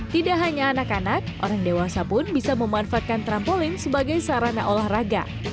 tidak hanya anak anak orang dewasa pun bisa memanfaatkan trampolin sebagai sarana olahraga